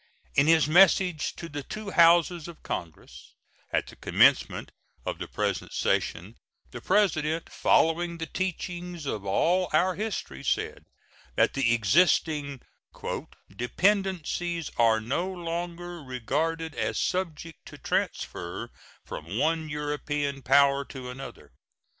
In his message to the two Houses of Congress at the commencement of the present session the President, following the teachings of all our history, said that the existing "dependencies are no longer regarded as subject to transfer from one European power to another.